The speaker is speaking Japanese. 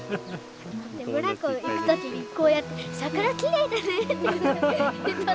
ブランコ行く時にこうやって「桜きれいだね！」って。